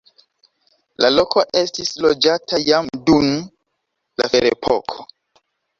La loko estis loĝata jam dun la ferepoko.